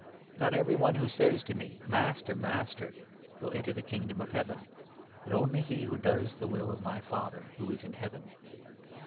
Not every one who says to me ' Master ! Master !' will enter the Kingdom of Heaven, but only he who does the will of my Father who is in Heaven.